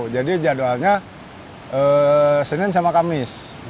jadi jadwalnya senin sama kamis